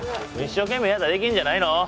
一生懸命やったらできるんじゃないの？